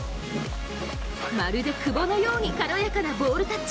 まるで久保のように軽やかなボールタッチ。